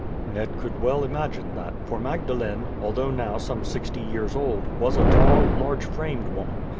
Ned could well imagine that; for Magdalene, although now some sixty years old, was a tall, large framed woman.